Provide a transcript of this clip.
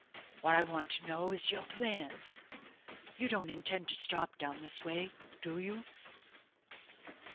What I want to know is your plans. You don't intend to stop down this way, do you?"